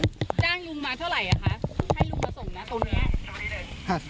เหวะกลับไปส่งเรื่องเรื่องของอย่างนี้